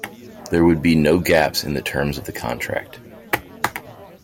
There would be no gaps in the terms of the contract.